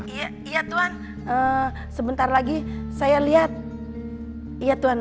iya iya tuhan sebentar lagi saya lihat iya tuhan